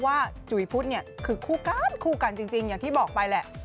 จุ๋ยพุทธเนี่ยคือคู่กันคู่กันจริงอย่างที่บอกไปแหละ